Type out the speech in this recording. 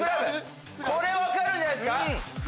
これ分かるんじゃないですか？